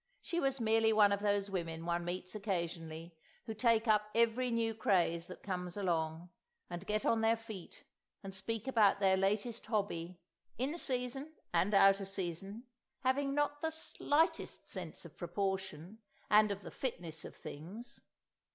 She was merely one of those women one meets occasionally who take up every new craze that comes along, and get on their feet and speak about their latest hobby, in season and out of season, having not the slightest sense of proportion, and of the fitness of things.